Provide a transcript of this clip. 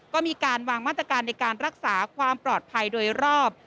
ก็มีการวางมาตรการในการรักษาความปลอดภัยโดยรอบ